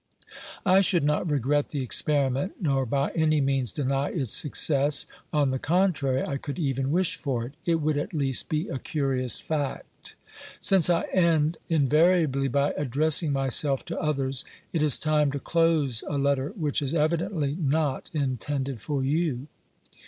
... I should not regret the experiment, nor by any means deny its success ; on the contrary, I could even wish for it : it would at least be a curious fact. Since I end invariably by addressing myself to others, it is time to close a letter which is evidently not intended for you.